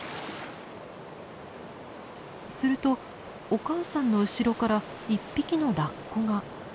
するとお母さんの後ろから１匹のラッコが。